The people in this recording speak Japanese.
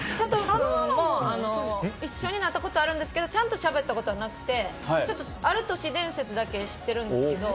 一緒になったことはあるんですけどちゃんとしゃべったことはなくてある都市伝説だけ知っているんですけど。